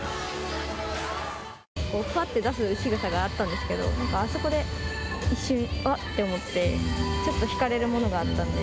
ふわっと出すしぐさがあったんですけどあそこで一瞬あっと思ってちょっとひかれるものがあったんで。